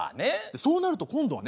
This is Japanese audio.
そうなると今度はね